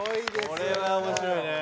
これは面白いね。